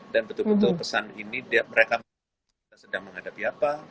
dan betul betul pesan ini mereka sedang menghadapi apa